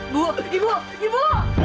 bu ibu ibu